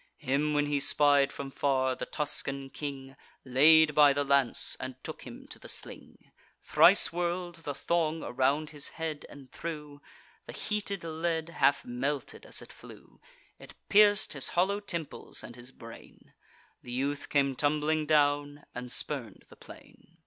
Him when he spied from far, the Tuscan king Laid by the lance, and took him to the sling, Thrice whirl'd the thong around his head, and threw: The heated lead half melted as it flew; It pierc'd his hollow temples and his brain; The youth came tumbling down, and spurn'd the plain.